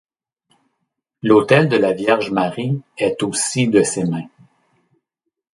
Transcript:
L'autel de la Vierge Marie est aussi de ses mains.